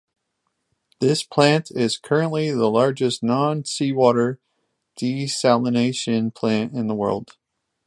This plant is currently the largest non-seawater desalination plant in the world.